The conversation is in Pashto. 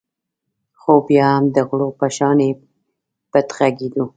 خو بیا هم د غلو په شانې پټ غږېدو.